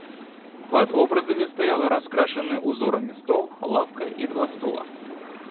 Под образами стоял раскрашенный узорами стол, лавка и два стула.